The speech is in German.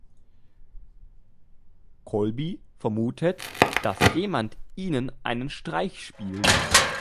Colby vermutet, dass jemand ihnen einen Streich spielt.